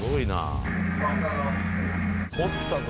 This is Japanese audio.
「おったぞ」